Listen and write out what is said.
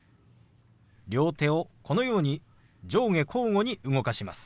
両手をこのように上下交互に動かします。